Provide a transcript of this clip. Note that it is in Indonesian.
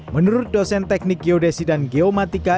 menurut dosen teknik geodesi dan geomatika